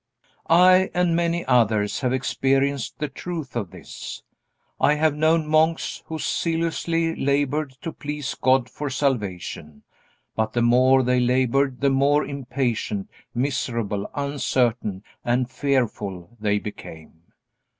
I and many others have experienced the truth of this. I have known monks who zealously labored to please God for salvation, but the more they labored the more impatient, miserable, uncertain, and fearful they became.